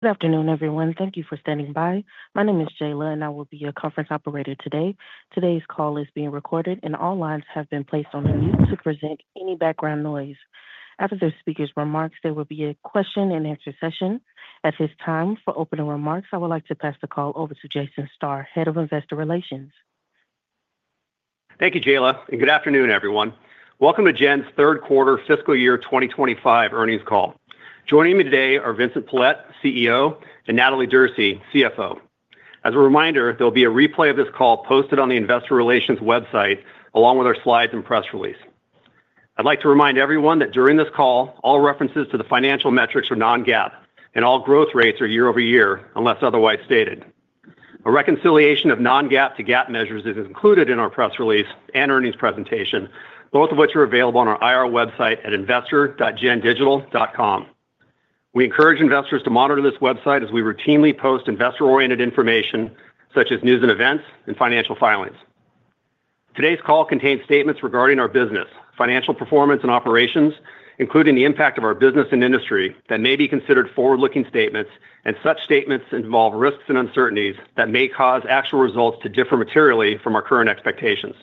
Good afternoon, everyone. Thank you for standing by. My name is Jayla, and I will be your conference operator today. Today's call is being recorded, and all lines have been placed on mute to prevent any background noise. After the speaker's remarks, there will be a question-and-answer session. At this time, for opening remarks, I would like to pass the call over to Jason Starr, Head of Investor Relations. Thank you, Jayla, and good afternoon, everyone. Welcome to Gen's third quarter fiscal year 2025 earnings call. Joining me today are Vincent Pilette, CEO, and Natalie Derse, CFO. As a reminder, there'll be a replay of this call posted on the Investor Relations website along with our slides and press release. I'd like to remind everyone that during this call, all references to the financial metrics are non-GAAP, and all growth rates are year-over-year unless otherwise stated. A reconciliation of non-GAAP to GAAP measures is included in our press release and earnings presentation, both of which are available on our IR website at investor.gendigital.com. We encourage investors to monitor this website as we routinely post investor-oriented information such as news and events and financial filings. Today's call contains statements regarding our business, financial performance, and operations, including the impact of our business and industry that may be considered forward-looking statements, and such statements involve risks and uncertainties that may cause actual results to differ materially from our current expectations.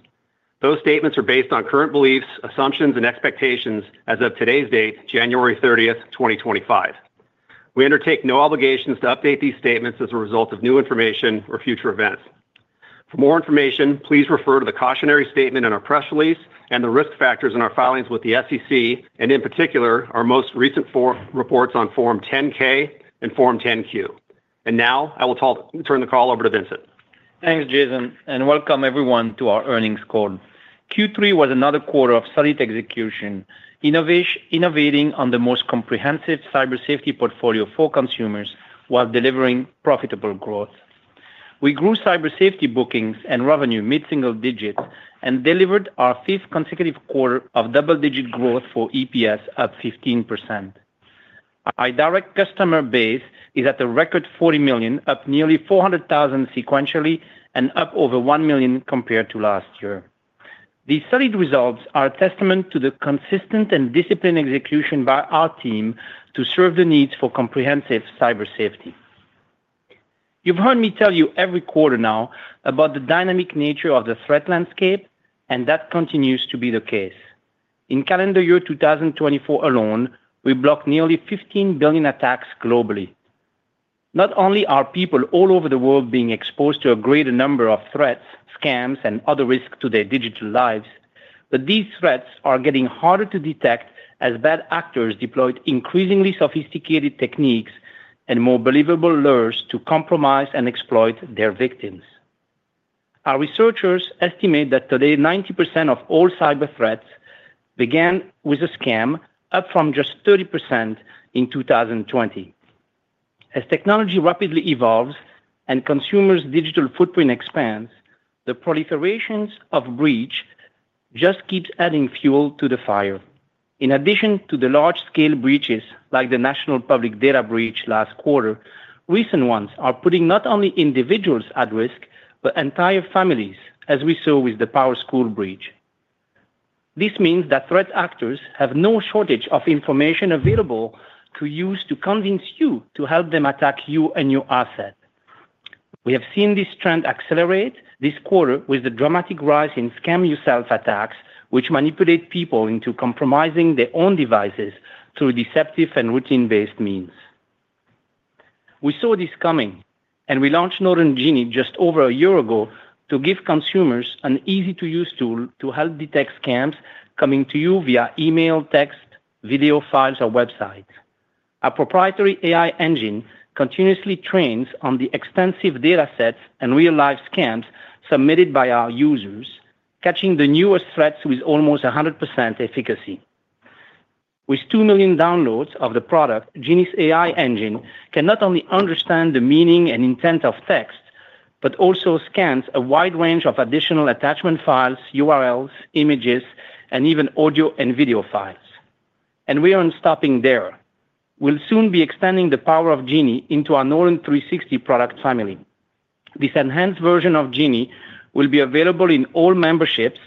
Those statements are based on current beliefs, assumptions, and expectations as of today's date, January 30th, 2025. We undertake no obligations to update these statements as a result of new information or future events. For more information, please refer to the cautionary statement in our press release and the risk factors in our filings with the SEC, and in particular, our most recent four reports on Form 10-K and Form 10-Q. And now, I will turn the call over to Vincent. Thanks, Jason. And welcome, everyone, to our earnings call. Q3 was another quarter of solid execution, innovating on the most comprehensive Cyber Safety portfolio for consumers while delivering profitable growth. We grew Cyber Safety bookings and revenue mid-single digit and delivered our fifth consecutive quarter of double-digit growth for EPS up 15%. Our direct customer base is at a record 40 million, up nearly 400,000 sequentially and up over 1 million compared to last year. These solid results are a testament to the consistent and disciplined execution by our team to serve the needs for comprehensive Cyber Safety. You've heard me tell you every quarter now about the dynamic nature of the threat landscape, and that continues to be the case. In calendar year 2024 alone, we blocked nearly 15 billion attacks globally. Not only are people all over the world being exposed to a greater number of threats, scams, and other risks to their digital lives, but these threats are getting harder to detect as bad actors deployed increasingly sophisticated techniques and more believable lures to compromise and exploit their victims. Our researchers estimate that today, 90% of all cyber threats began with a scam, up from just 30% in 2020. As technology rapidly evolves and consumers' digital footprint expands, the proliferation of breaches just keeps adding fuel to the fire. In addition to the large-scale breaches, like the National Public Data breach last quarter, recent ones are putting not only individuals at risk but entire families, as we saw with the PowerSchool breach. This means that threat actors have no shortage of information available to use to convince you to help them attack you and your asset. We have seen this trend accelerate this quarter with the dramatic rise in scam-yourself attacks, which manipulate people into compromising their own devices through deceptive and routine based means. We saw this coming, and we launched Norton Genie just over a year ago to give consumers an easy-to-use tool to help detect scams coming to you via email, text, video files, or websites. Our proprietary AI engine continuously trains on the extensive datasets and real-life scams submitted by our users, catching the newest threats with almost 100% efficacy. With two million downloads of the product, Genius AI Engine can not only understand the meaning and intent of text but also scans a wide range of additional attachment files, URLs, images, and even audio and video files. And we aren't stopping there. We'll soon be extending the power of Genius into our Norton 360 product family. This enhanced version of Genius will be available in all memberships,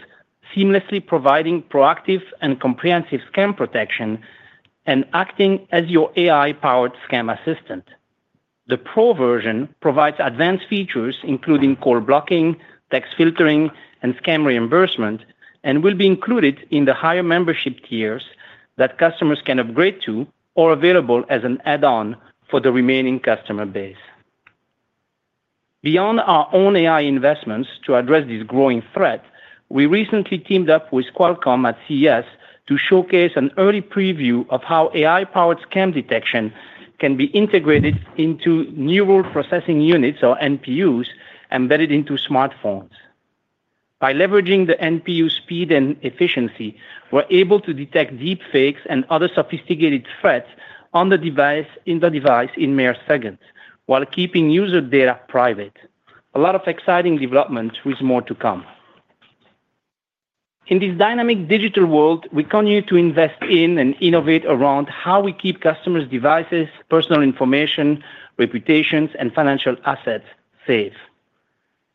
seamlessly providing proactive and comprehensive scam protection and acting as your AI-powered scam assistant. The Pro version provides advanced features, including call blocking, text filtering, and scam reimbursement, and will be included in the higher membership tiers that customers can upgrade to or available as an add-on for the remaining customer base. Beyond our own AI investments to address this growing threat, we recently teamed up with Qualcomm at CES to showcase an early preview of how AI-powered scam detection can be integrated into neural processing units, or NPUs, embedded into smartphones. By leveraging the NPU speed and efficiency, we're able to detect deepfakes and other sophisticated threats on the device in mere seconds while keeping user data private. A lot of exciting developments with more to come. In this dynamic digital world, we continue to invest in and innovate around how we keep customers' devices, personal information, reputations, and financial assets safe.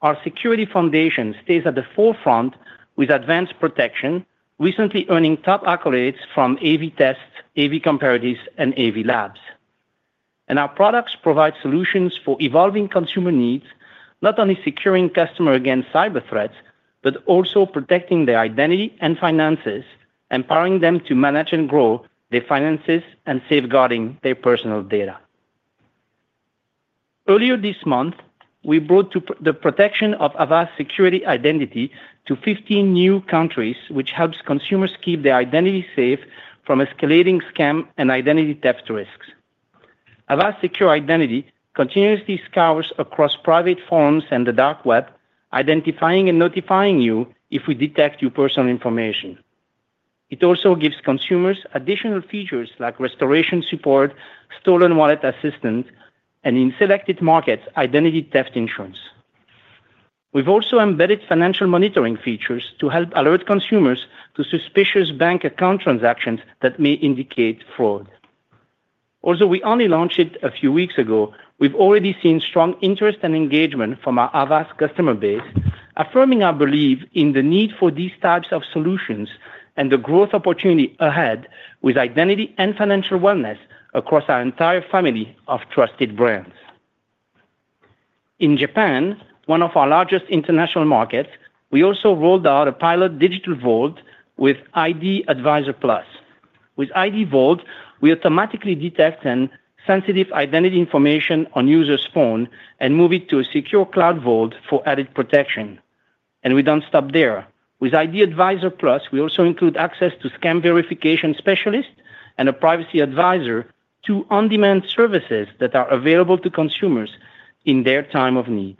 Our security foundation stays at the forefront with advanced protection, recently earning top accolades from AV-Test, AV-Comparatives, and AVLab. Our products provide solutions for evolving consumer needs, not only securing customers against cyber threats but also protecting their identity and finances, empowering them to manage and grow their finances, and safeguarding their personal data. Earlier this month, we brought the protection of Avast Secure Identity to 15 new countries, which helps consumers keep their identity safe from escalating scam and identity theft risks. Avast Secure Identity continuously scours across private forums and the Dark Web, identifying and notifying you if we detect your personal information. It also gives consumers additional features like restoration support, stolen wallet assistance, and in selected markets, identity theft insurance. We've also embedded financial monitoring features to help alert consumers to suspicious bank account transactions that may indicate fraud. Although we only launched it a few weeks ago, we've already seen strong interest and engagement from our Avast customer base, affirming our belief in the need for these types of solutions and the growth opportunity ahead with identity and financial wellness across our entire family of trusted brands. In Japan, one of our largest international markets, we also rolled out a pilot digital vault with ID Advisor Plus. With ID Vault, we automatically detect sensitive identity information on users' phones and move it to a secure cloud vault for added protection, and we don't stop there. With ID Advisor Plus, we also include access to scam verification specialists and a privacy advisor to on-demand services that are available to consumers in their time of need.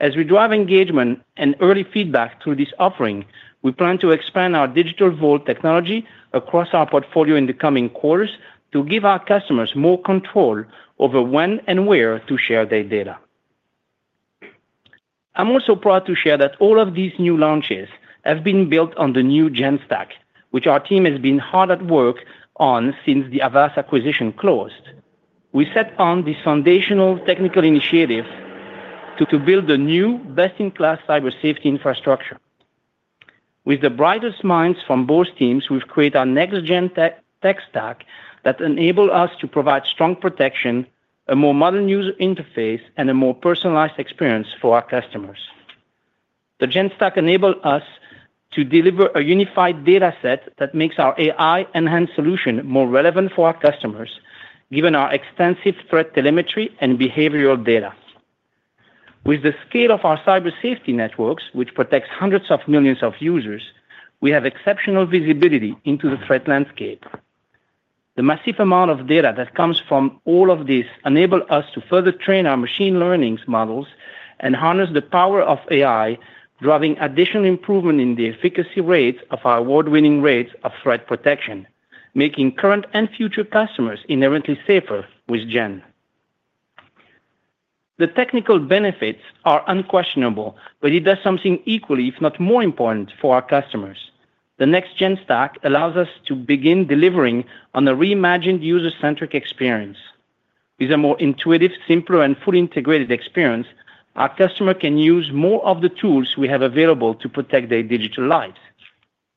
As we drive engagement and early feedback through this offering, we plan to expand our digital vault technology across our portfolio in the coming quarters to give our customers more control over when and where to share their data. I'm also proud to share that all of these new launches have been built on the new GenStack, which our team has been hard at work on since the Avast acquisition closed. We set out on this foundational technical initiative to build the new best-in-class Cyber Safety infrastructure. With the brightest minds from both teams, we've created our next-gen tech stack that enables us to provide strong protection, a more modern user interface, and a more personalized experience for our customers. The GenStack enables us to deliver a unified dataset that makes our AI-enhanced solution more relevant for our customers, given our extensive threat telemetry and behavioral data. With the scale of our Cyber Safety networks, which protects hundreds of millions of users, we have exceptional visibility into the threat landscape. The massive amount of data that comes from all of this enables us to further train our machine learning models and harness the power of AI, driving additional improvement in the efficacy rates of our award-winning threat protection, making current and future customers inherently safer with Gen. The technical benefits are unquestionable, but it does something equally, if not more important, for our customers. The next GenStack allows us to begin delivering on a reimagined user-centric experience. With a more intuitive, simpler, and fully integrated experience, our customers can use more of the tools we have available to protect their digital lives.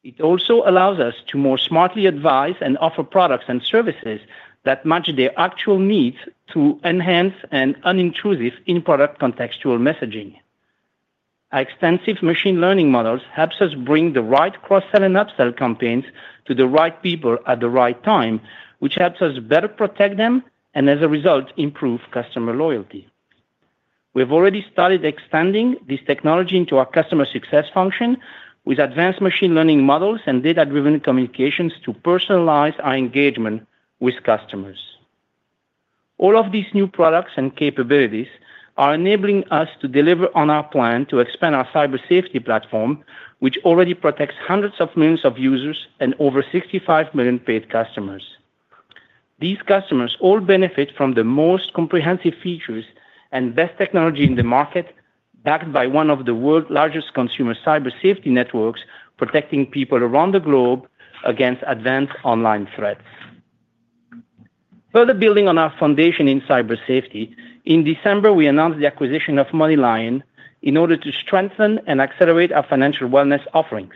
It also allows us to more smartly advise and offer products and services that match their actual needs through enhanced and unintrusive in-product contextual messaging. Our extensive machine learning models help us bring the right cross-sell and upsell campaigns to the right people at the right time, which helps us better protect them and, as a result, improve customer loyalty. We have already started extending this technology into our customer success function with advanced machine learning models and data-driven communications to personalize our engagement with customers. All of these new products and capabilities are enabling us to deliver on our plan to expand our Cyber Safety platform, which already protects hundreds of millions of users and over 65 million paid customers. These customers all benefit from the most comprehensive features and best technology in the market, backed by one of the world's largest consumer Cyber Safety networks, protecting people around the globe against advanced online threats. Further building on our foundation in Cyber Safety, in December, we announced the acquisition of MoneyLion in order to strengthen and accelerate our financial wellness offerings.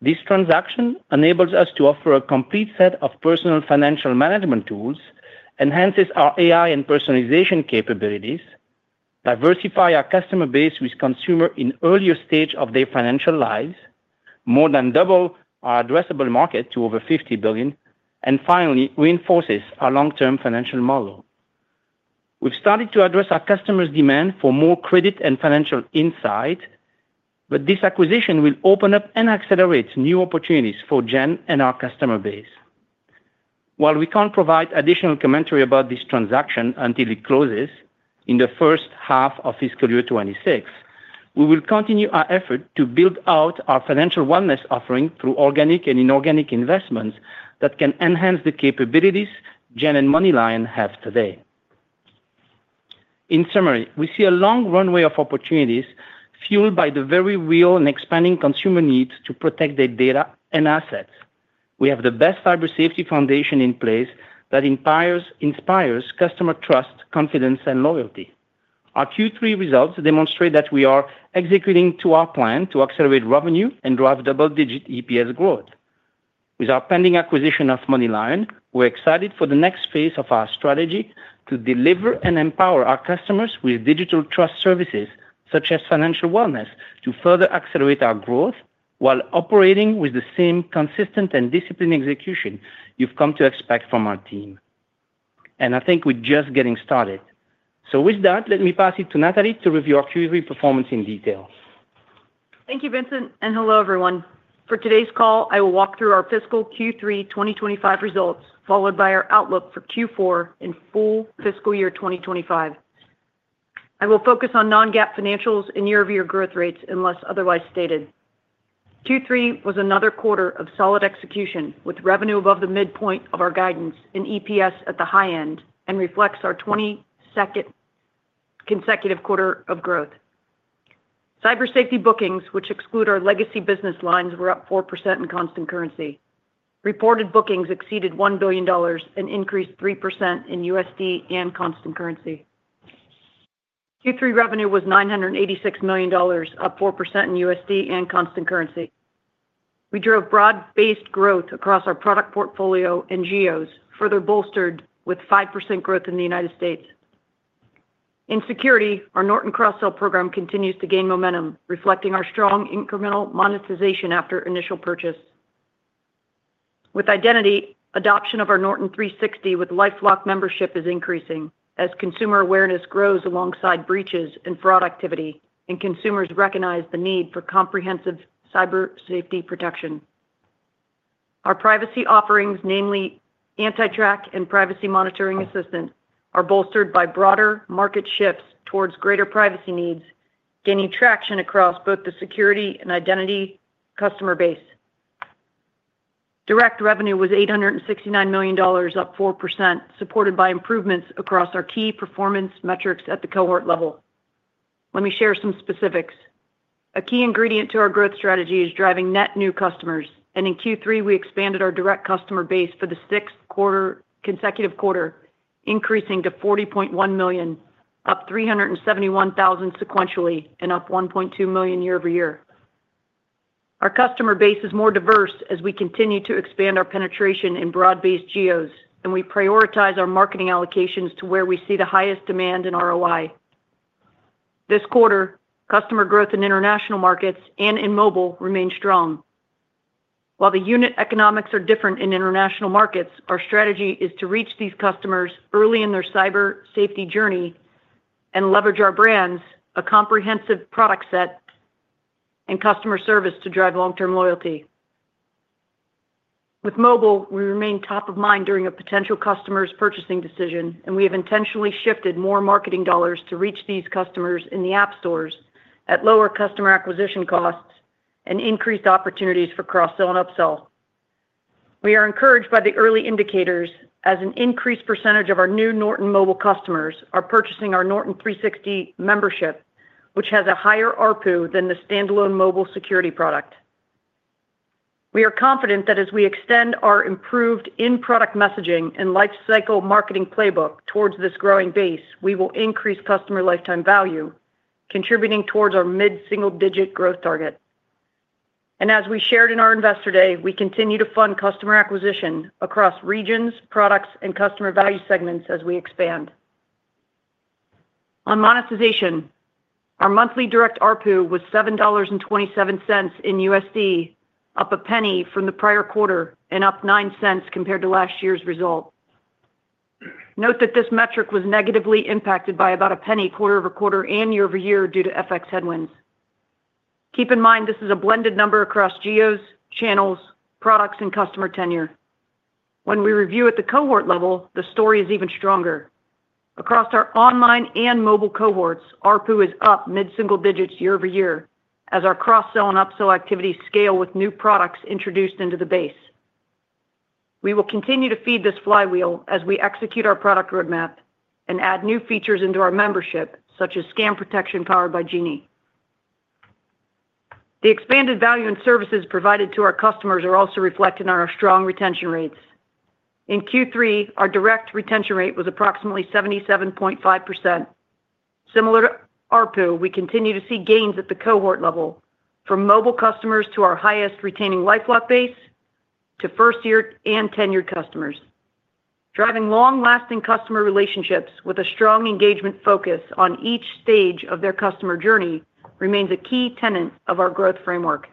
This transaction enables us to offer a complete set of personal financial management tools, enhances our AI and personalization capabilities, diversifies our customer base with consumers in earlier stages of their financial lives, more than doubles our addressable market to over 50 billion, and finally reinforces our long-term financial model. We've started to address our customers' demand for more credit and financial insight, but this acquisition will open up and accelerate new opportunities for Gen and our customer base. While we can't provide additional commentary about this transaction until it closes in the first half of fiscal year 2026, we will continue our effort to build out our financial wellness offering through organic and inorganic investments that can enhance the capabilities Gen and MoneyLion have today. In summary, we see a long runway of opportunities fueled by the very real and expanding consumer needs to protect their data and assets. We have the best Cyber Safety foundation in place that inspires customer trust, confidence, and loyalty. Our Q3 results demonstrate that we are executing our plan to accelerate revenue and drive double-digit EPS growth. With our pending acquisition of MoneyLion, we're excited for the next phase of our strategy to deliver and empower our customers with digital trust services such as financial wellness to further accelerate our growth while operating with the same consistent and disciplined execution you've come to expect from our team, and I think we're just getting started. So with that, let me pass it to Natalie to review our Q3 performance in detail. Thank you, Vincent, and hello, everyone. For today's call, I will walk through our fiscal Q3 2025 results, followed by our outlook for Q4 in full fiscal year 2025. I will focus on non-GAAP financials and year-over-year growth rates unless otherwise stated. Q3 was another quarter of solid execution, with revenue above the midpoint of our guidance and EPS at the high end and reflects our 22nd consecutive quarter of growth. Cyber Safety bookings, which exclude our legacy business lines, were up 4% in constant currency. Reported bookings exceeded $1 billion and increased 3% in USD and constant currency. Q3 revenue was $986 million, up 4% in USD and constant currency. We drove broad-based growth across our product portfolio and GEOs, further bolstered with 5% growth in the United States. In security, our Norton cross-sell program continues to gain momentum, reflecting our strong incremental monetization after initial purchase. With identity, adoption of our Norton 360 with LifeLock membership is increasing as consumer awareness grows alongside breaches and fraud activity, and consumers recognize the need for comprehensive Cyber Safety protection. Our privacy offerings, namely AntiTrack and Privacy Monitoring Assistant, are bolstered by broader market shifts towards greater privacy needs, gaining traction across both the security and identity customer base. Direct revenue was $869 million, up 4%, supported by improvements across our key performance metrics at the cohort level. Let me share some specifics. A key ingredient to our growth strategy is driving net new customers, and in Q3, we expanded our direct customer base for the sixth consecutive quarter, increasing to 40.1 million, up 371,000 sequentially, and up 1.2 million year-over-year. Our customer base is more diverse as we continue to expand our penetration in broad-based GEOs, and we prioritize our marketing allocations to where we see the highest demand and ROI. This quarter, customer growth in international markets and in mobile remained strong. While the unit economics are different in international markets, our strategy is to reach these customers early in their Cyber Safety journey and leverage our brands, a comprehensive product set, and customer service to drive long-term loyalty. With mobile, we remain top of mind during a potential customer's purchasing decision, and we have intentionally shifted more marketing dollars to reach these customers in the app stores at lower customer acquisition costs and increased opportunities for cross-sell and upsell. We are encouraged by the early indicators as an increased percentage of our new Norton mobile customers are purchasing our Norton 360 membership, which has a higher RPU than the standalone mobile security product. We are confident that as we extend our improved in-product messaging and lifecycle marketing playbook towards this growing base, we will increase customer lifetime value, contributing towards our mid-single-digit growth target, and as we shared in our investor day, we continue to fund customer acquisition across regions, products, and customer value segments as we expand. On monetization, our monthly direct RPU was $7.27 in USD, up $0.01 from the prior quarter and up $0.09 compared to last year's result. Note that this metric was negatively impacted by about $0.01 quarter over quarter and year-over-year due to FX headwinds. Keep in mind this is a blended number across GEOs, channels, products, and customer tenure. When we review at the cohort level, the story is even stronger. Across our online and mobile cohorts, RPU is up mid-single digits year-over-year as our cross-sell and upsell activities scale with new products introduced into the base. We will continue to feed this flywheel as we execute our product roadmap and add new features into our membership, such as scam protection powered by Genie. The expanded value and services provided to our customers are also reflected in our strong retention rates. In Q3, our direct retention rate was approximately 77.5%. Similar to RPU, we continue to see gains at the cohort level from mobile customers to our highest retaining LifeLock base to first-year and tenured customers. Driving long-lasting customer relationships with a strong engagement focus on each stage of their customer journey remains a key tenet of our growth framework.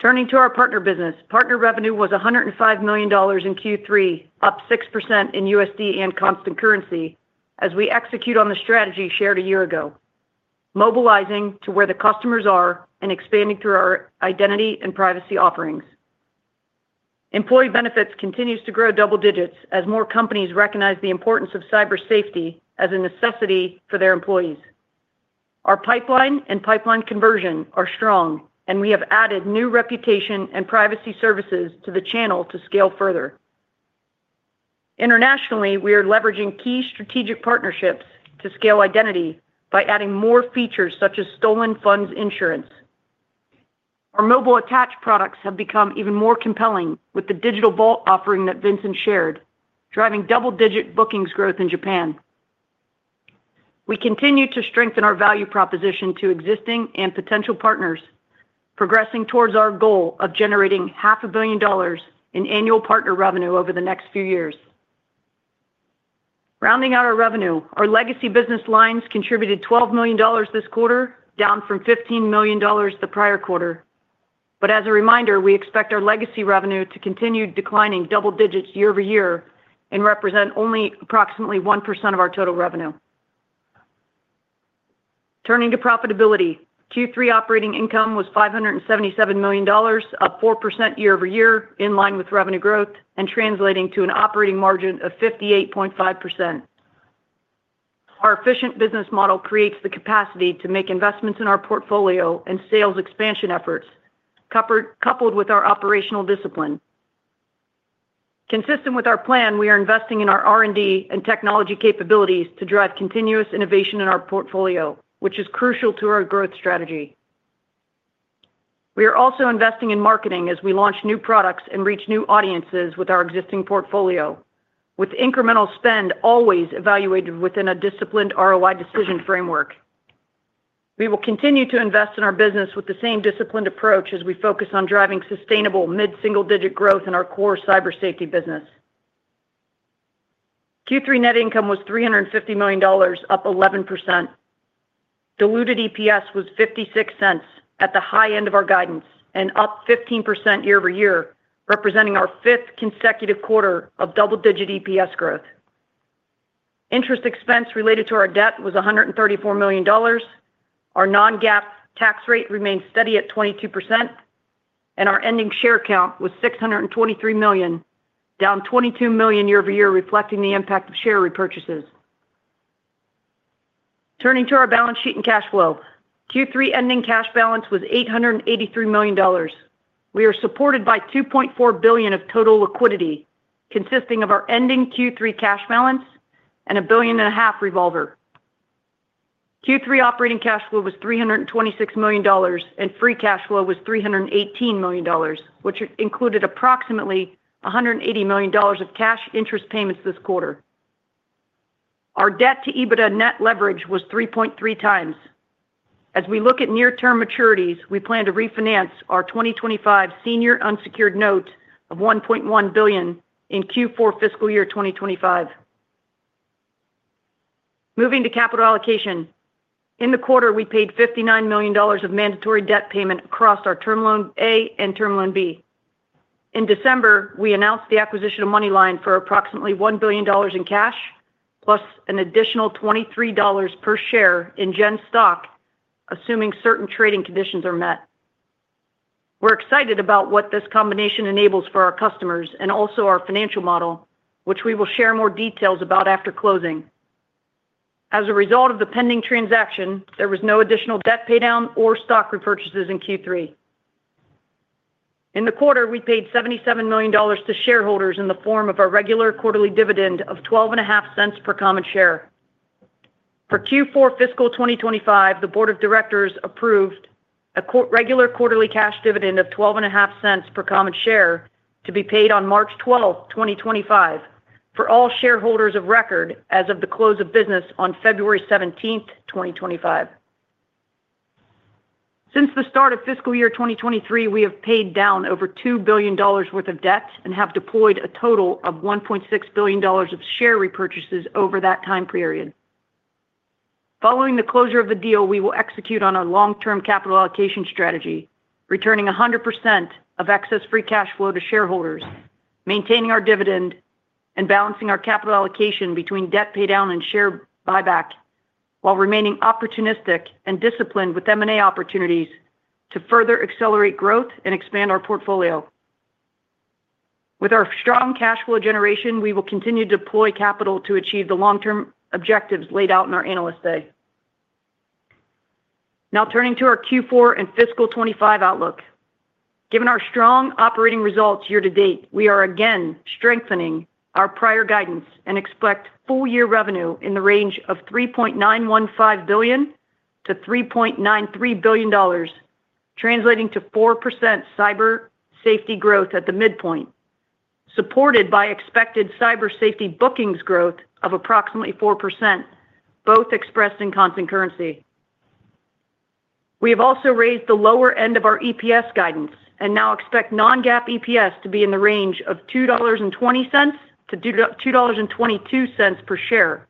Turning to our partner business, partner revenue was $105 million in Q3, up 6% in USD and constant currency as we execute on the strategy shared a year ago, mobilizing to where the customers are and expanding through our identity and privacy offerings. Employee benefits continue to grow double digits as more companies recognize the importance of Cyber Safety as a necessity for their employees. Our pipeline and pipeline conversion are strong, and we have added new reputation and privacy services to the channel to scale further. Internationally, we are leveraging key strategic partnerships to scale identity by adding more features such as stolen funds insurance. Our mobile attached products have become even more compelling with the digital vault offering that Vincent shared, driving double-digit bookings growth in Japan. We continue to strengthen our value proposition to existing and potential partners, progressing towards our goal of generating $500 million in annual partner revenue over the next few years. Rounding out our revenue, our legacy business lines contributed $12 million this quarter, down from $15 million the prior quarter. But as a reminder, we expect our legacy revenue to continue declining double digits year-over-year and represent only approximately 1% of our total revenue. Turning to profitability, Q3 operating income was $577 million, up 4% year-over-year in line with revenue growth and translating to an operating margin of 58.5%. Our efficient business model creates the capacity to make investments in our portfolio and sales expansion efforts, coupled with our operational discipline. Consistent with our plan, we are investing in our R&D and technology capabilities to drive continuous innovation in our portfolio, which is crucial to our growth strategy. We are also investing in marketing as we launch new products and reach new audiences with our existing portfolio, with incremental spend always evaluated within a disciplined ROI decision framework. We will continue to invest in our business with the same disciplined approach as we focus on driving sustainable mid-single digit growth in our core Cyber Safety business. Q3 net income was $350 million, up 11%. Diluted EPS was $0.56 at the high end of our guidance and up 15% year-over-year, representing our fifth consecutive quarter of double-digit EPS growth. Interest expense related to our debt was $134 million. Our non-GAAP tax rate remained steady at 22%, and our ending share count was 623 million, down 22 million year-over-year, reflecting the impact of share repurchases. Turning to our balance sheet and cash flow, Q3 ending cash balance was $883 million. We are supported by $2.4 billion of total liquidity, consisting of our ending Q3 cash balance and $1.5 billion revolver. Q3 operating cash flow was $326 million, and free cash flow was $318 million, which included approximately $180 million of cash interest payments this quarter. Our debt to EBITDA net leverage was 3.3 times. As we look at near-term maturities, we plan to refinance our 2025 senior unsecured note of $1.1 billion in Q4 fiscal year 2025. Moving to capital allocation, in the quarter, we paid $59 million of mandatory debt payment across our term loan A and term loan B. In December, we announced the acquisition of MoneyLion for approximately $1 billion in cash, plus an additional $23 per share in Gen stock, assuming certain trading conditions are met. We're excited about what this combination enables for our customers and also our financial model, which we will share more details about after closing. As a result of the pending transaction, there was no additional debt paydown or stock repurchases in Q3. In the quarter, we paid $77 million to shareholders in the form of a regular quarterly dividend of $0.125 per common share. For Q4 fiscal 2025, the board of directors approved a regular quarterly cash dividend of $0.125 per common share to be paid on March 12, 2025, for all shareholders of record as of the close of business on February 17, 2025. Since the start of fiscal year 2023, we have paid down over $2 billion worth of debt and have deployed a total of $1.6 billion of share repurchases over that time period. Following the closure of the deal, we will execute on our long-term capital allocation strategy, returning 100% of excess free cash flow to shareholders, maintaining our dividend, and balancing our capital allocation between debt paydown and share buyback while remaining opportunistic and disciplined with M&A opportunities to further accelerate growth and expand our portfolio. With our strong cash flow generation, we will continue to deploy capital to achieve the long-term objectives laid out in our analyst day. Now turning to our Q4 and fiscal 2025 outlook. Given our strong operating results year-to-date, we are again strengthening our prior guidance and expect full-year revenue in the range of $3.915 billion to $3.93 billion, translating to 4% Cyber Safety growth at the midpoint, supported by expected Cyber Safety bookings growth of approximately 4%, both expressed in constant currency. We have also raised the lower end of our EPS guidance and now expect Non-GAAP EPS to be in the range of $2.20 to $2.22 per share,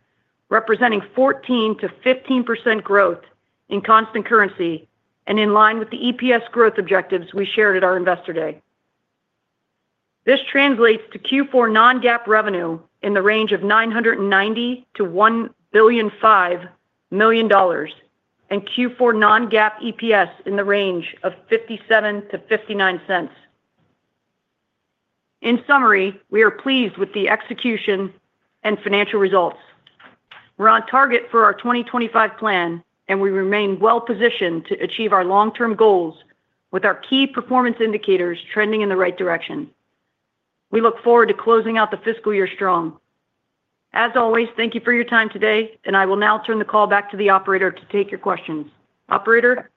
representing 14% to to 15% growth in constant currency and in line with the EPS growth objectives we shared at our investor day. This translates to Q4 Non-GAAP revenue in the range of $990 million to $995 million and Q4 Non-GAAP EPS in the range of $0.57 to $0.59. In summary, we are pleased with the execution and financial results. We're on target for our 2025 plan, and we remain well-positioned to achieve our long-term goals with our key performance indicators trending in the right direction. We look forward to closing out the fiscal year strong. As always, thank you for your time today, and I will now turn the call back to the operator to take your questions. Operator.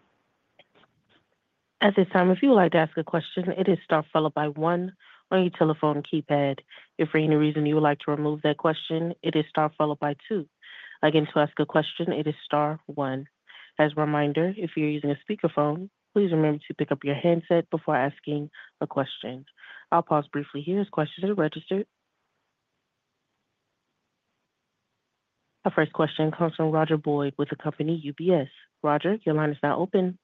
At this time, if you would like to ask a question, it is star followed by one. On your telephone keypad, if for any reason you would like to remove that question, it is star followed by two. Again, to ask a question, it is star one. As a reminder, if you're using a speakerphone, please remember to pick up your handset before asking a question. I'll pause briefly here as questions are registered. Our first question comes from Roger Boyd with the company UBS. Roger, your line is now open.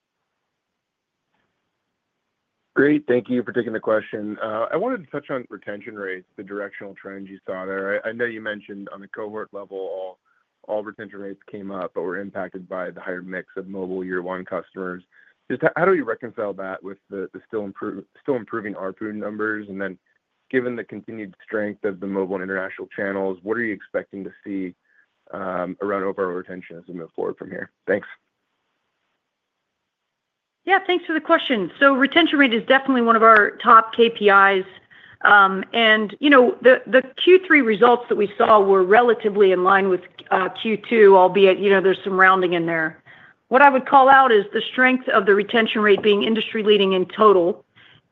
Great. Thank you for taking the question. I wanted to touch on retention rates, the directional trend you saw there. I know you mentioned on the cohort level all retention rates came up, but were impacted by the higher mix of mobile year-one customers. How do we reconcile that with the still improving RPU numbers? And then, given the continued strength of the mobile and international channels, what are you expecting to see around overall retention as we move forward from here? Thanks. Yeah, thanks for the question. So retention rate is definitely one of our top KPIs. And the Q3 results that we saw were relatively in line with Q2, albeit there's some rounding in there. What I would call out is the strength of the retention rate being industry-leading in total.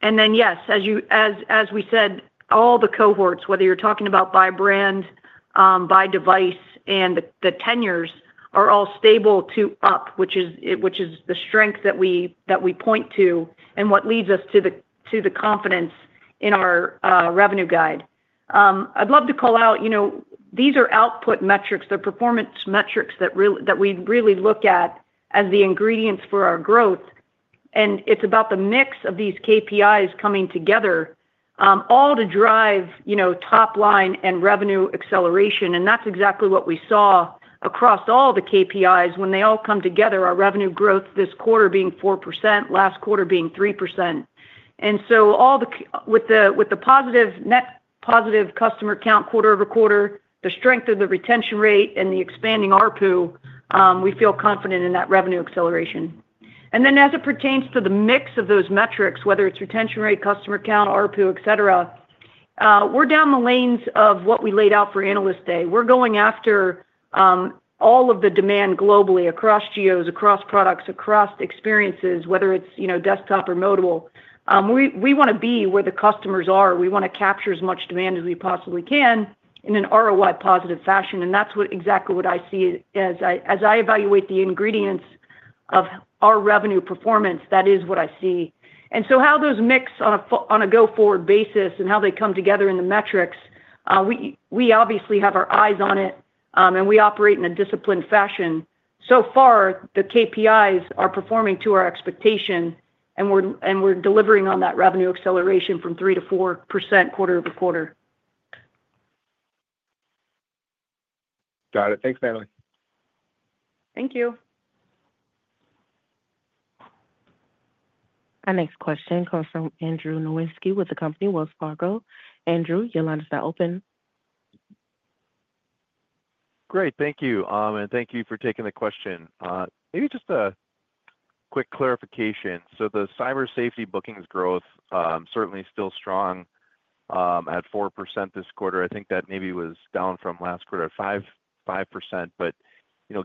And then, yes, as we said, all the cohorts, whether you're talking about by brand, by device, and the tenures are all stable to up, which is the strength that we point to and what leads us to the confidence in our revenue guide. I'd love to call out. These are output metrics. They're performance metrics that we really look at as the ingredients for our growth. And it's about the mix of these KPIs coming together all to drive top line and revenue acceleration. And that's exactly what we saw across all the KPIs. When they all come together, our revenue growth this quarter being 4%, last quarter being 3%. And so with the positive net customer count quarter over quarter, the strength of the retention rate, and the expanding RPU, we feel confident in that revenue acceleration. And then, as it pertains to the mix of those metrics, whether it's retention rate, customer count, RPU, etc., we're down the lines of what we laid out for analyst day. We're going after all of the demand globally across geos, across products, across experiences, whether it's desktop or mobile. We want to be where the customers are. We want to capture as much demand as we possibly can in an ROI positive fashion. And that's exactly what I see. As I evaluate the ingredients of our revenue performance, that is what I see. And so how those mix on a go-forward basis and how they come together in the metrics, we obviously have our eyes on it, and we operate in a disciplined fashion. So far, the KPIs are performing to our expectation, and we're delivering on that revenue acceleration from 3% to 4% quarter over quarter. Got it. Thanks, Natalie. Thank you. Our next question comes from Andrew Nowinski with the company Wells Fargo. Andrew, your line is now open. Great. Thank you, and thank you for taking the question. Maybe just a quick clarification. So the Cyber Safety bookings growth certainly is still strong at 4% this quarter. I think that maybe was down from last quarter at 5%. But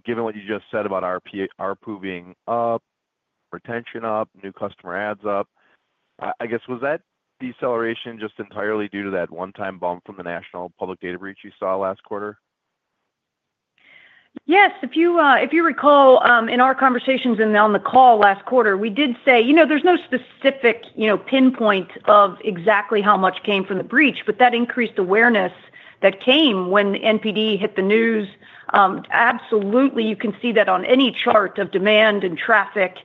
given what you just said about RPU being up, retention up, new customer adds up, I guess, was that deceleration just entirely due to that one-time bump from the National Public Data breach you saw last quarter? Yes. If you recall, in our conversations and on the call last quarter, we did say there's no specific pinpoint of exactly how much came from the breach, but that increased awareness that came when NPD hit the news. Absolutely. You can see that on any chart of demand and traffic.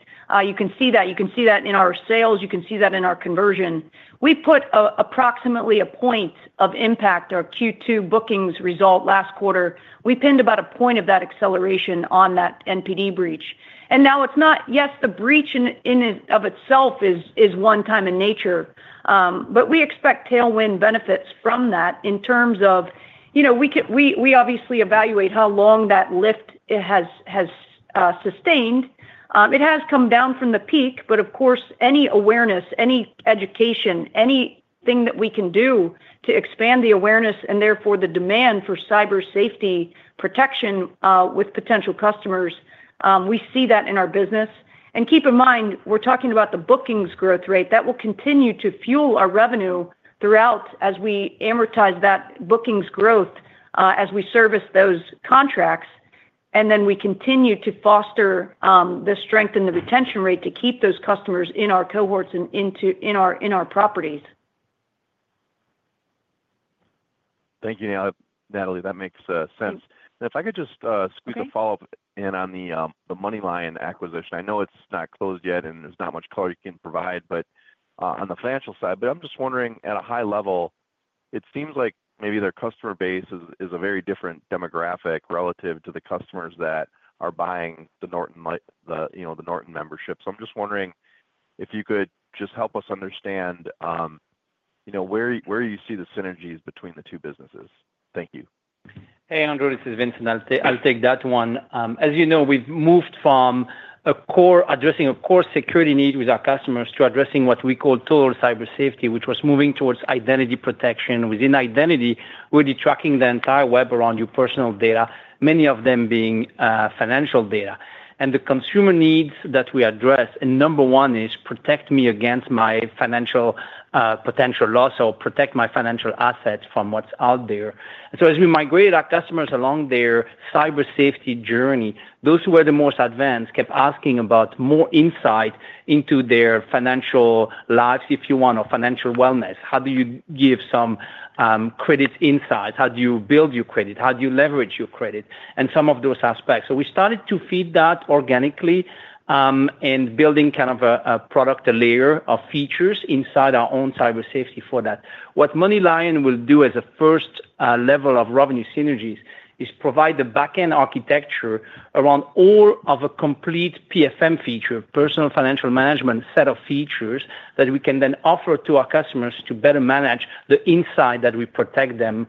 You can see that. You can see that in our sales. You can see that in our conversion. We put approximately a point of impact of Q2 bookings result last quarter. We pinned about a point of that acceleration on that NPD breach. And now it's not, yes, the breach in and of itself is one-time in nature, but we expect tailwind benefits from that in terms of we obviously evaluate how long that lift has sustained. It has come down from the peak, but of course, any awareness, any education, anything that we can do to expand the awareness and therefore the demand for Cyber Safety protection with potential customers, we see that in our business. And keep in mind, we're talking about the bookings growth rate. That will continue to fuel our revenue throughout as we amortize that bookings growth as we service those contracts. And then we continue to foster the strength and the retention rate to keep those customers in our cohorts and in our properties. Thank you. Natalie, that makes sense. And if I could just squeeze a follow-up in on the MoneyLion acquisition. I know it's not closed yet and there's not much color you can provide, but on the financial side, but I'm just wondering, at a high level, it seems like maybe their customer base is a very different demographic relative to the customers that are buying the Norton membership. So I'm just wondering if you could just help us understand where you see the synergies between the two businesses. Thank you. Hey, Andrew. This is Vincent. I'll take that one. As you know, we've moved from addressing a core security need with our customers to addressing what we call total Cyber Safety, which was moving towards identity protection. Within identity, we're detecting the entire web around your personal data, many of them being financial data, and the consumer needs that we address, number one is protect me against my financial potential loss or protect my financial assets from what's out there, so as we migrated our customers along their Cyber Safety journey, those who were the most advanced kept asking about more insight into their financial lives, if you want, or financial wellness. How do you give some credit insight? How do you build your credit? How do you leverage your credit, and some of those aspects, so we started to feed that organically and building kind of a product, a layer of features inside our own Cyber Safety for that. What MoneyLion will do as a first level of revenue synergies is provide the backend architecture around all of a complete PFM feature, personal financial management set of features that we can then offer to our customers to better manage the insight that we protect them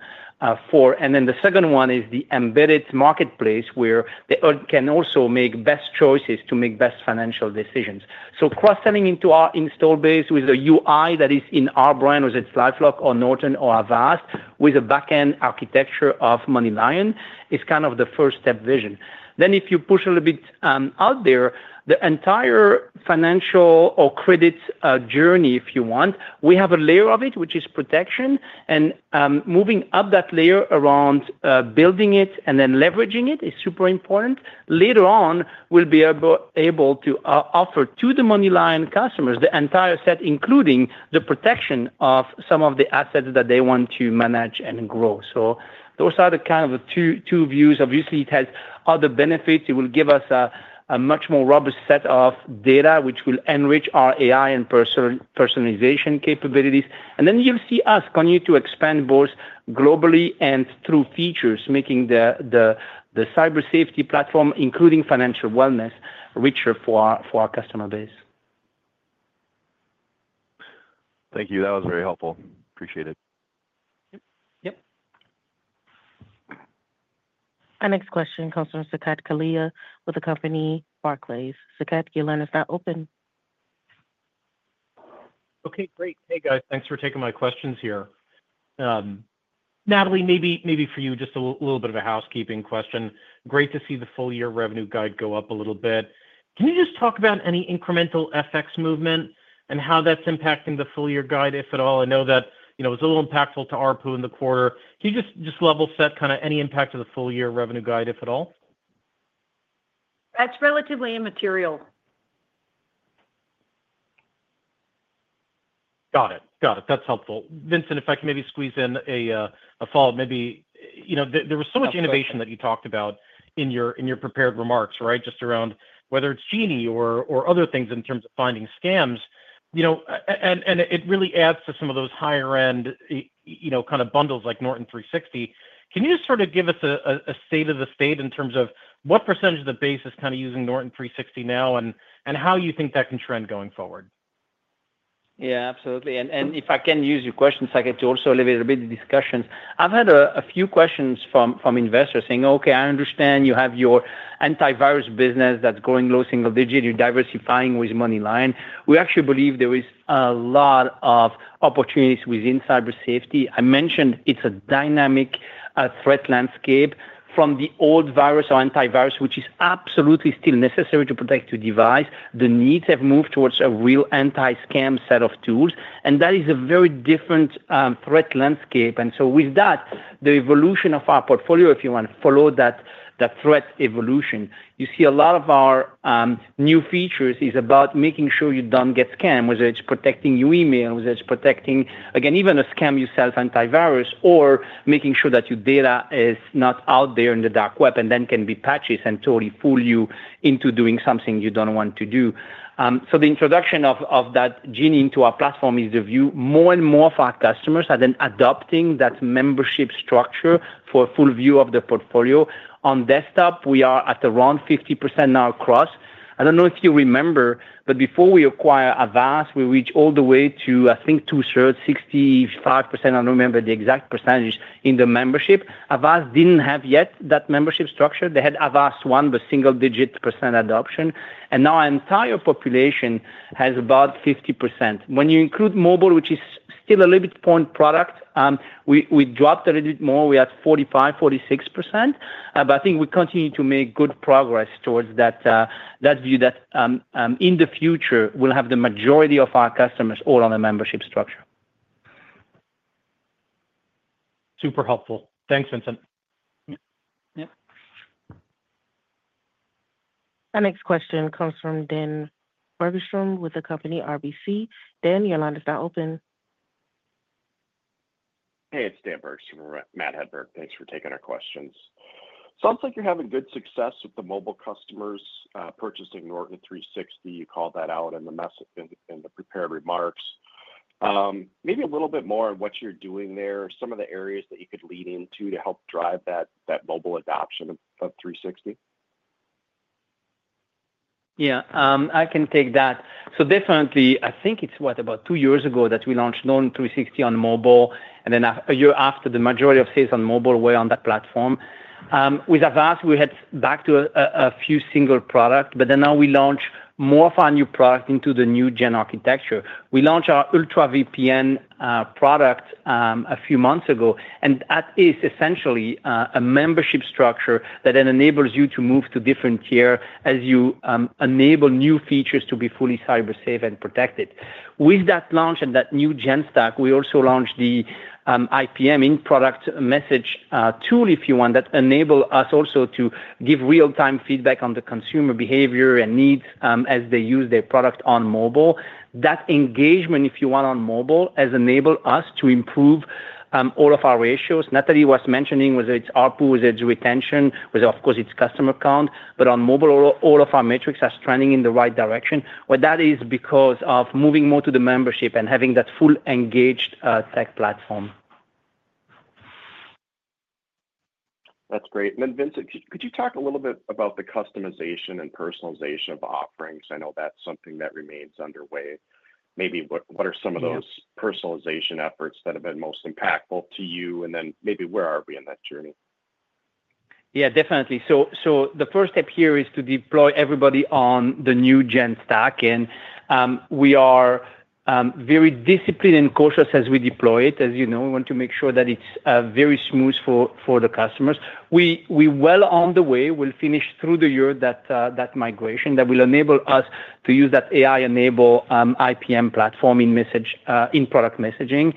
for. And then the second one is the embedded marketplace where they can also make best choices to make best financial decisions. So cross-selling into our install base with a UI that is in our brand, whether it's LifeLock or Norton or Avast, with a backend architecture of MoneyLion is kind of the first-step vision. Then if you push a little bit out there, the entire financial or credit journey, if you want, we have a layer of it, which is protection. And moving up that layer around building it and then leveraging it is super important. Later on, we'll be able to offer to the MoneyLion customers the entire set, including the protection of some of the assets that they want to manage and grow. So those are the kind of two views. Obviously, it has other benefits. It will give us a much more robust set of data, which will enrich our AI and personalization capabilities. And then you'll see us continue to expand both globally and through features, making the Cyber Safety platform, including financial wellness, richer for our customer base. Thank you. That was very helpful. Appreciate it. Yep. Our next question comes from Saket Kalia with the company Barclays. Saket, your line is now open. Okay. Great. Hey, guys. Thanks for taking my questions here. Natalie, maybe for you, just a little bit of a housekeeping question. Great to see the full-year revenue guide go up a little bit. Can you just talk about any incremental FX movement and how that's impacting the full-year guide, if at all? I know that it was a little impactful to RPU in the quarter. Can you just level set kind of any impact to the full-year revenue guide, if at all? That's relatively immaterial. Got it. Got it. That's helpful. Vincent, if I can maybe squeeze in a follow-up, maybe there was so much innovation that you talked about in your prepared remarks, right, just around whether it's Genie or other things in terms of finding scams. And it really adds to some of those higher-end kind of bundles like Norton 360. Can you just sort of give us a state of the state in terms of what percentage of the base is kind of using Norton 360 now and how you think that can trend going forward? Yeah, absolutely. If I can use your questions, I get to also elevate a bit of the discussions. I've had a few questions from investors saying, "Okay, I understand you have your antivirus business that's going low single digit. You're diversifying with MoneyLion." We actually believe there is a lot of opportunities within Cyber Safety. I mentioned it's a dynamic threat landscape from the old virus or antivirus, which is absolutely still necessary to protect your device. The needs have moved towards a real anti-scam set of tools. That is a very different threat landscape. And so with that, the evolution of our portfolio, if you want to follow that threat evolution, you see a lot of our new features is about making sure you don't get scammed, whether it's protecting your email, whether it's protecting, again, even a scam yourself, antivirus, or making sure that your data is not out there in the dark web and then can be patches and totally fool you into doing something you don't want to do. So the introduction of that Genie into our platform is the view more and more of our customers are then adopting that membership structure for a full view of the portfolio. On desktop, we are at around 50% now across. I don't know if you remember, but before we acquired Avast, we reached all the way to, I think, two-thirds, 65%. I don't remember the exact percentage in the membership. Avast didn't have yet that membership structure. They had Avast One, the single-digit percentage adoption. And now our entire population has about 50%. When you include mobile, which is still a little bit point product, we dropped a little bit more. We had 45 to 46%. But I think we continue to make good progress towards that view that in the future, we'll have the majority of our customers all on the membership structure. Super helpful. Thanks, Vincent. Yep. Our next question comes from Dan Bergstrom with the company RBC. Dan, your line is now open. Hey, it's Dan Bergstrom, Matt Hedberg. Thanks for taking our questions. Sounds like you're having good success with the mobile customers purchasing Norton 360. You called that out in the prepared remarks. Maybe a little bit more on what you're doing there, some of the areas that you could lean into to help drive that mobile adoption of 360? Yeah, I can take that. So definitely, I think it's what, about two years ago that we launched Norton 360 on mobile. And then a year after, the majority of sales on mobile were on that platform. With Avast, we had back to a few single products, but then now we launch more of our new product into the new gen architecture. We launched our Ultra VPN product a few months ago. And that is essentially a membership structure that then enables you to move to different tier as you enable new features to be fully cybersafe and protected. With that launch and that new GenStack, we also launched the IPM, in-product messaging tool, if you want, that enables us also to give real-time feedback on the consumer behavior and needs as they use their product on mobile. That engagement, if you want, on mobile has enabled us to improve all of our ratios. Natalie was mentioning whether it's RPU, whether it's retention, whether, of course, it's customer count, but on mobile, all of our metrics are trending in the right direction. What that is because of moving more to the membership and having that full engaged tech platform. That's great. And then, Vincent, could you talk a little bit about the customization and personalization of offerings? I know that's something that remains underway. Maybe what are some of those personalization efforts that have been most impactful to you? And then maybe where are we in that journey? Yeah, definitely. So the first step here is to deploy everybody on the new GenStack. And we are very disciplined and cautious as we deploy it. As you know, we want to make sure that it's very smooth for the customers. We're well on the way. We'll finish through the year that migration that will enable us to use that AI-enabled IPM platform in product messaging.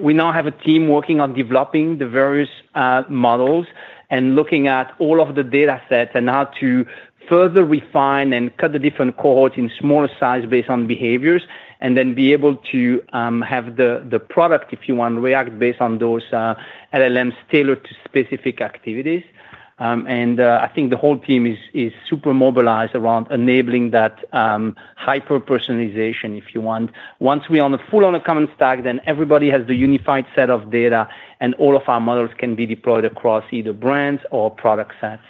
We now have a team working on developing the various models and looking at all of the datasets and how to further refine and cut the different cohorts in smaller size based on behaviors and then be able to have the product, if you want, react based on those LLMs tailored to specific activities. And I think the whole team is super mobilized around enabling that hyper-personalization, if you want. Once we're full on a common stack, then everybody has the unified set of data, and all of our models can be deployed across either brands or product sets.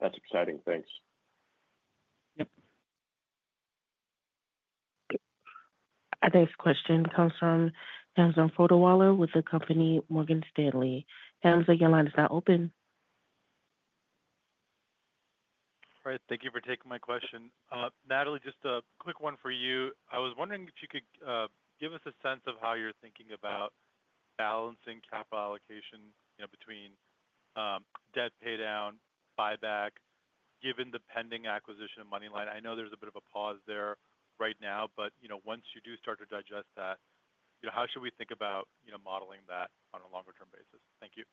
That's exciting. Thanks. Yep. Our next question comes from Hamza Fodderwala with the company Morgan Stanley. Hamza Fodderwala's line is now open. All right. Thank you for taking my question. Natalie, just a quick one for you. I was wondering if you could give us a sense of how you're thinking about balancing capital allocation between debt paydown, buyback, given the pending acquisition of MoneyLion. I know there's a bit of a pause there right now, but once you do start to digest that, how should we think about modeling that on a longer-term basis? Thank you.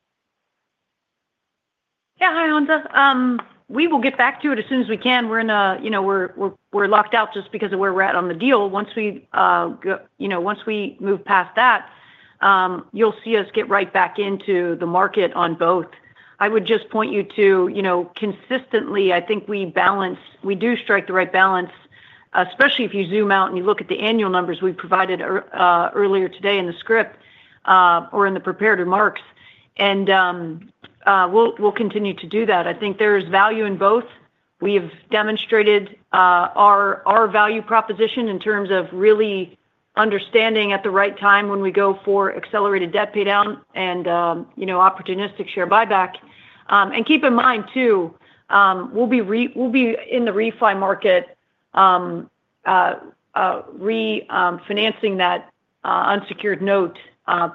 Yeah. Hi, Hamza. We will get back to it as soon as we can. We're locked out just because of where we're at on the deal. Once we move past that, you'll see us get right back into the market on both. I would just point you to consistently. I think we do strike the right balance, especially if you zoom out and you look at the annual numbers we provided earlier today in the script or in the prepared remarks, and we'll continue to do that. I think there is value in both. We have demonstrated our value proposition in terms of really understanding at the right time when we go for accelerated debt paydown and opportunistic share buyback, and keep in mind, too, we'll be in the refi market refinancing that unsecured note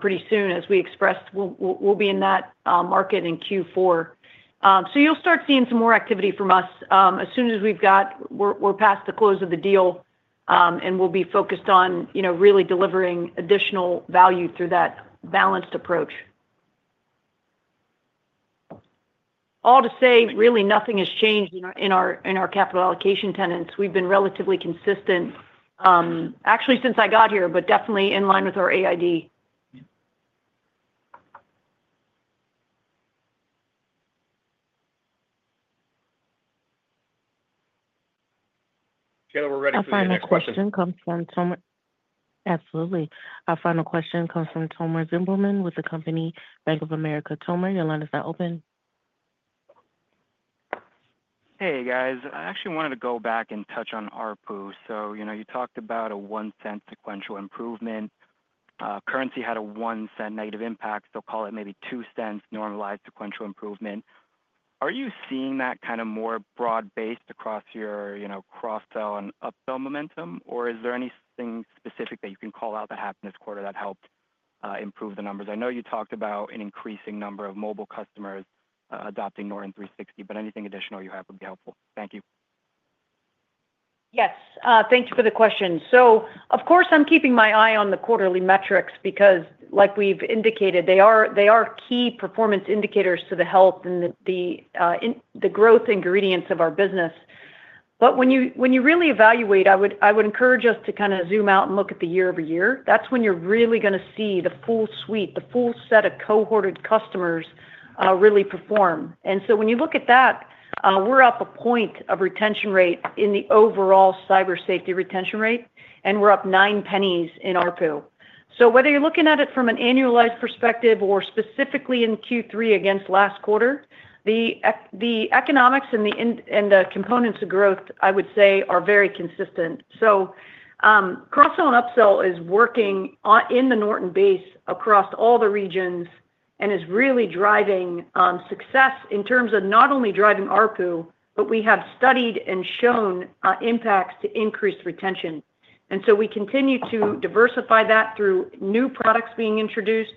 pretty soon. As we expressed, we'll be in that market in Q4. So you'll start seeing some more activity from us as soon as we're past the close of the deal, and we'll be focused on really delivering additional value through that balanced approach. All to say, really, nothing has changed in our capital allocation tenets. We've been relatively consistent, actually, since I got here, but definitely in line with our AID. Okay. We're ready for your next question. Our final question comes from Toma. Absolutely. Our final question comes from Toma Zilberman with the company Bank of America. Toma. Your line is now open. Hey, guys. I actually wanted to go back and touch on RPU. So you talked about a $0.01 sequential improvement. Currency had a $0.01 negative impact. They'll call it maybe $0.02 normalized sequential improvement. Are you seeing that kind of more broad-based across your cross-sell and upsell momentum? Or is there anything specific that you can call out that happened this quarter that helped improve the numbers? I know you talked about an increasing number of mobile customers adopting Norton 360, but anything additional you have would be helpful. Thank you. Yes. Thank you for the question. So, of course, I'm keeping my eye on the quarterly metrics because, like we've indicated, they are key performance indicators to the health and the growth ingredients of our business. But when you really evaluate, I would encourage us to kind of zoom out and look at the year-over-year. That's when you're really going to see the full suite, the full set of cohorted customers really perform. And so when you look at that, we're up a point of retention rate in the overall Cyber Safety retention rate, and we're up $0.09 in RPU. So whether you're looking at it from an annualized perspective or specifically in Q3 against last quarter, the economics and the components of growth, I would say, are very consistent. So cross-sell and upsell is working in the Norton base across all the regions and is really driving success in terms of not only driving RPU, but we have studied and shown impacts to increased retention. And so we continue to diversify that through new products being introduced.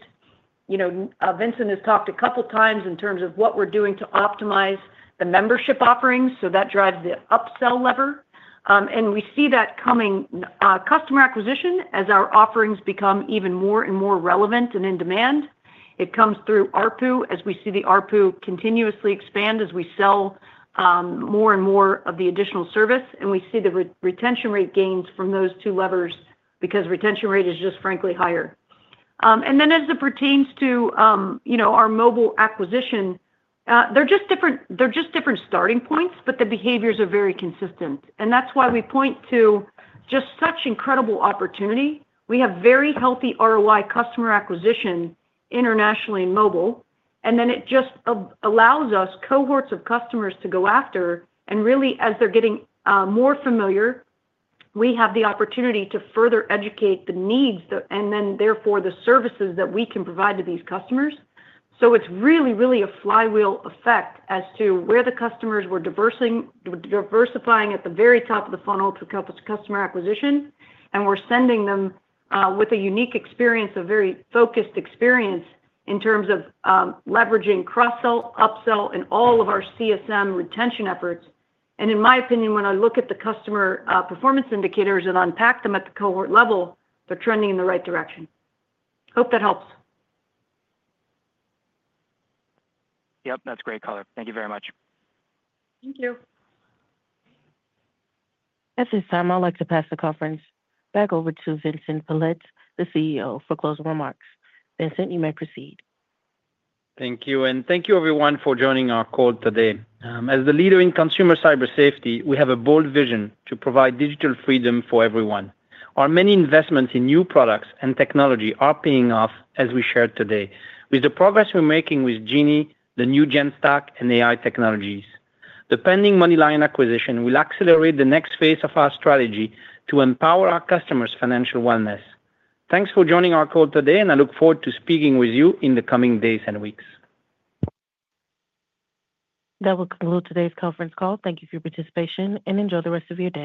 Vincent has talked a couple of times in terms of what we're doing to optimize the membership offerings. So that drives the upsell lever. And we see that coming customer acquisition as our offerings become even more and more relevant and in demand. It comes through RPU as we see the RPU continuously expand as we sell more and more of the additional service. We see the retention rate gains from those two levers because retention rate is just, frankly, higher. Then as it pertains to our mobile acquisition, they're just different starting points, but the behaviors are very consistent. That's why we point to just such incredible opportunity. We have very healthy ROI customer acquisition internationally and mobile. Then it just allows us cohorts of customers to go after. Really, as they're getting more familiar, we have the opportunity to further educate the needs and then, therefore, the services that we can provide to these customers. So it's really, really a flywheel effect as to where the customers were diversifying at the very top of the funnel to accomplish customer acquisition. We're sending them with a unique experience, a very focused experience in terms of leveraging cross-sell, upsell, and all of our CSM retention efforts. In my opinion, when I look at the customer performance indicators and unpack them at the cohort level, they're trending in the right direction. Hope that helps. Yep. That's great, call at. Thank you very much. Thank you. At this time, I'd like to pass the conference back over to Vincent Pilette, the CEO, for closing remarks. Vincent, you may proceed. Thank you. Thank you, everyone, for joining our call today. As the leader in consumer Cyber Safety, we have a bold vision to provide digital freedom for everyone. Our many investments in new products and technology are paying off, as we shared today, with the progress we're making with Genie, the new GenStack, and AI technologies. The pending MoneyLion acquisition will accelerate the next phase of our strategy to empower our customers' financial wellness. Thanks for joining our call today, and I look forward to speaking with you in the coming days and weeks. That will conclude today's conference call. Thank you for your participation, and enjoy the rest of your day.